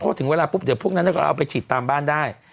พอถึงเวลาปุ๊บเดี๋ยวพวกนั้นก็เอาไปฉีดตามบ้านได้